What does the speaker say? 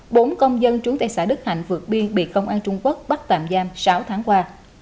bốn công dân trú tại xã đức hạnh vượt biên bị công an trung quốc bắt tạm giam sáu tháng qua